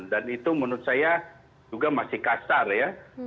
dan itu menurut saya juga masih kasar ya